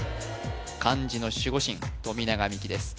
漢字の守護神富永美樹です